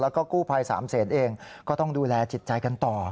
แล้วก็กู้ภัยสามเศษเองก็ต้องดูแลจิตใจกันต่อ